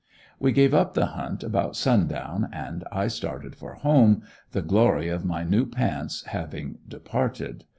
We gave up the hunt about sundown, and I started for home, the glory of my new pants having departed.